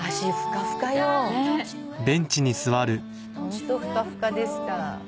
ホントふかふかでした。